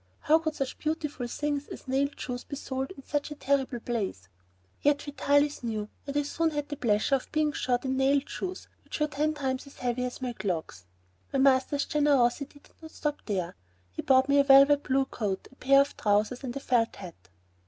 How could such beautiful things as nailed shoes be sold in such a terrible place? Yet Vitalis knew, and soon I had the pleasure of being shod in nailed shoes which were ten times as heavy as my clogs. My master's generosity did not stop there. He bought me a blue velvet coat, a pair of trousers, and a felt hat.